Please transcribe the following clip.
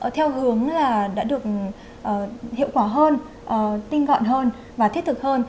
theo hướng là đã được hiệu quả hơn tinh gọn hơn và thiết thực hơn